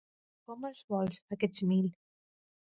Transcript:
Com els vols, aquests mil?